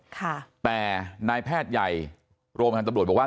ค่ะแต่นายแพทย์ใหญ่โรงพยาบาลตำรวจบอกว่า